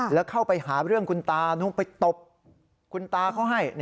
แล้วเข้าไปหาเรื่องคุณตานุ่งไปตบคุณตาเขาให้